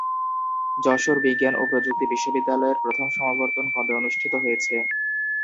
যশোর বিজ্ঞান ও প্রযুক্তি বিশ্ববিদ্যালয়ের প্রথম সমাবর্তন কবে অনুষ্ঠিত হয়েছে?